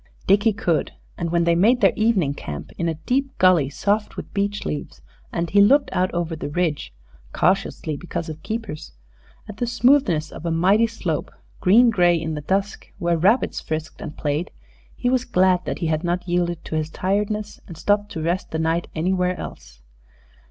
Dickie could; and when they made their evening camp in a deep gully soft with beech leaves, and he looked out over the ridge cautiously, because of keepers at the smoothness of a mighty slope, green gray in the dusk, where rabbits frisked and played, he was glad that he had not yielded to his tiredness and stopped to rest the night anywhere else.